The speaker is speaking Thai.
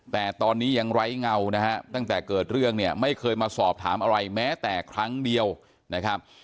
แต่ตอนนี้ยังไร้เงานะฮะตั้งแต่เกิดเรื่องเนี่ยไม่เคยมาสอบถามอะไรแม้แต่ครั้งเดียวนะครับ